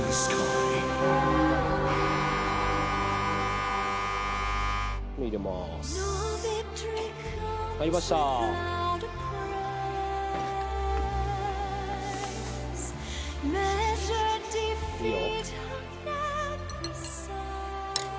いいよ。